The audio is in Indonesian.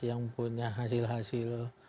yang punya hasil hasil